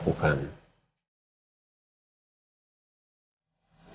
tapi masalahnya kalo kita buat selebaran